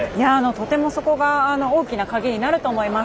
とてもそこが大きな鍵になると思います。